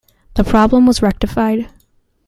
The problem was rectified.